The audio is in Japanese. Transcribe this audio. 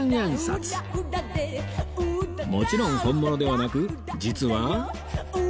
もちろん本物ではなく実は